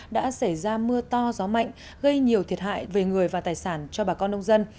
đã xảy ra mưa to gió mạnh gây nhiều thiệt hại về người và tài sản cho bà con nông dân